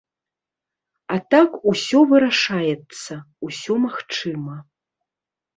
А так, усё вырашаецца, усё магчыма.